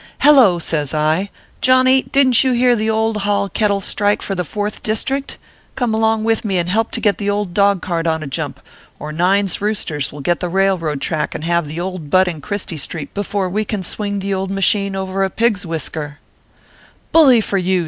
"Hello!" says I, " Johnny, didn t you hear the old Hall kettle strike for the Fourth District ? Come along .with me and help to get the old dog cart on a jump, or Nine s roosters will get the rail road track and have the old butt in Christie street 46 ORPHEUS C. KERB PAPERS. before we can swing the old inasheen over a pig s whisker/ " Bully for you